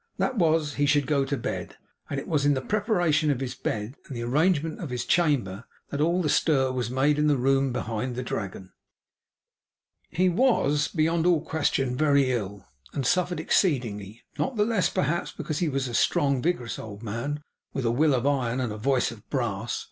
That was that he should go to bed. And it was in the preparation of his bed and the arrangement of his chamber, that all the stir was made in the room behind the Dragon. He was, beyond all question, very ill, and suffered exceedingly; not the less, perhaps, because he was a strong and vigorous old man, with a will of iron, and a voice of brass.